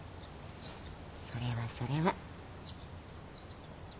それはそれは。